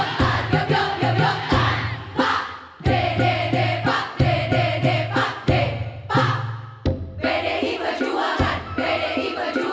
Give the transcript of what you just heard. menumahiane backward market kepada memahami